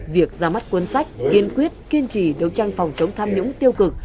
việc ra mắt cuốn sách kiên quyết kiên trì đấu tranh phòng chống tham nhũng tiêu cực